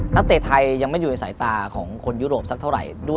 เตะไทยยังไม่อยู่ในสายตาของคนยุโรปสักเท่าไหร่